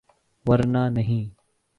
‘ ورنہ نہیں۔